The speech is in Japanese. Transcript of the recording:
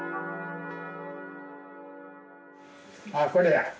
ああこれや。